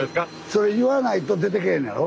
それ言わないと出てけえへんねやろ？